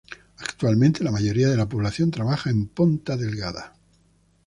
Actualmente, la mayoría de la población trabaja en Ponta Delgada.